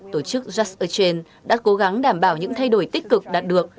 tổ chức just earth chain đã cố gắng đảm bảo những thay đổi tích cực đạt được